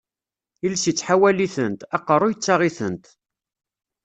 Iles ittḥawal-itent, aqeṛṛu ittaɣ-itent.